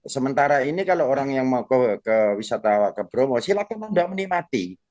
sementara ini kalau orang yang mau ke wisata ke bromo silahkan anda menikmati